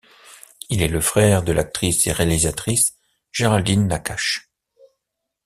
Il est le frère de l'actrice et réalisatrice Géraldine Nakache.